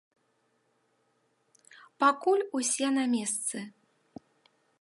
Пакуль усе на месцы.